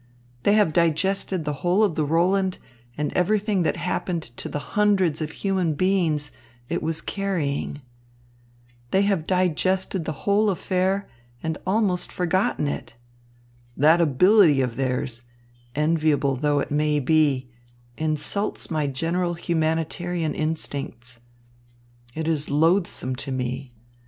They have digested the whole of the Roland and everything that happened to the hundreds of human beings it was carrying. They have digested the whole affair and almost forgotten it. That ability of theirs, enviable though it may be, insults my general humanitarian instincts. It is loathsome to me.